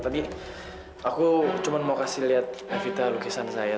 tadi aku cuma mau kasih lihat evita lukisan saya